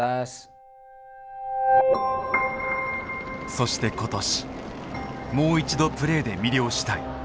そして今年「もう一度プレーで魅了したい」。